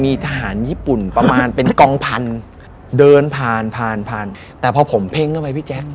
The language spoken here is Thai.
มีทหารญี่ปุ่นประมาณเป็นกองพันเดินผ่านผ่านผ่านแต่พอผมเพ่งเข้าไปพี่แจ๊ค